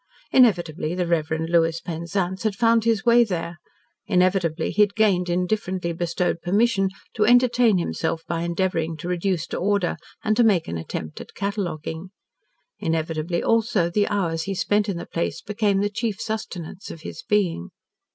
Inevitably the Reverend Lewis Penzance had found his way there, inevitably he had gained indifferently bestowed permission to entertain himself by endeavouring to reduce to order and to make an attempt at cataloguing. Inevitably, also, the hours he spent in the place became the chief sustenance of his being.